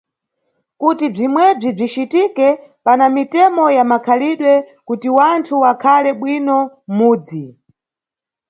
Kuti bzimwebzi bzicitike pana mitemo ya makhalidwe kuti wanthu wakhale bwino mʼmudzi.